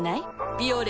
「ビオレ」